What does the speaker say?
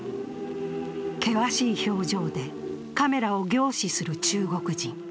険しい表情でカメラを凝視する中国人。